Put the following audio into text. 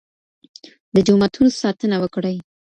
د جوماتونو ساتنه وکړئ.